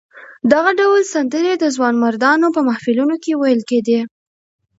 دغه ډول سندرې د ځوانمردانو په محفلونو کې ویل کېدې.